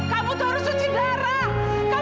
kamu tuh harus cuci darah